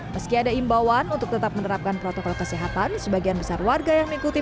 meski ada imbauan untuk tetap menerapkan protokol kesehatan sebagian besar warga yang mengikuti